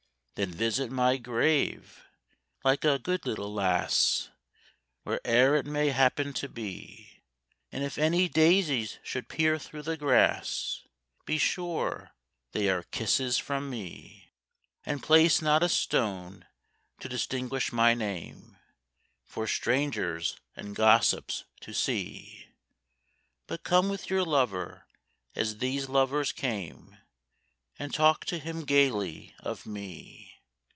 Then visit my grave, like a good little lass, Where'er it may happen to be, And if any daisies should peer through the grass, Be sure they are kisses from me. And place not a stone to distinguish my name, For strangers and gossips to see, But come with your lover as these lovers came, And talk to him gaily of me.